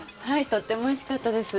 とてもおいしかったです。